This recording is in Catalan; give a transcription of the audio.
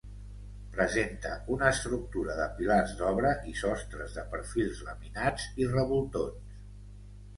Presenta una estructura de pilars d'obra i sostres de perfils laminats i revoltons.